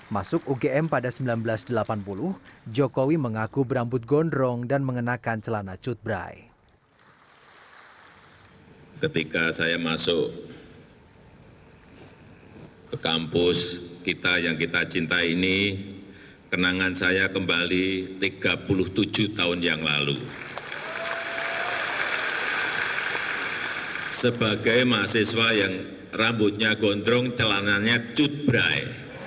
masuk ugm pada seribu sembilan ratus delapan puluh jokowi mengaku berambut gondrong dan mengenakan celana cutbrai